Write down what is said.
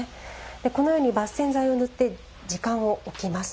このように、抜染剤を塗って時間を置きます。